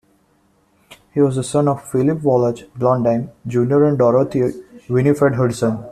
He was the son of Philip Wallach Blondheim, Junior and Dorothy Winifred Hudson.